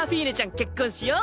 結婚しよ。